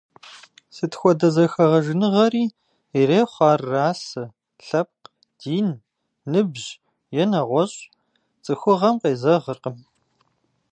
Сыт хуэдэ зэхэгъэжыныгъэри, ирехъу ар расэ, лъэпкъ, дин, ныбжь е нэгъуэщӀ, цӏыхугъэм къезэгъыркъым.